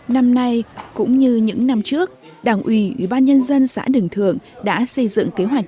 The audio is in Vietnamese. năm nay cũng như những năm trước đảng uỷ ubnd xã đường thượng đã xây dựng kế hoạch